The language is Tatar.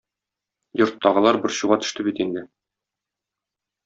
Йорттагылар борчуга төште бит инде.